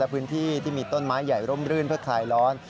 พื้นที่ที่มีต้นไม้ใหญ่ร่มรื่นเพื่อคลายร้อน